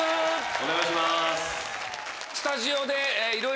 お願いします。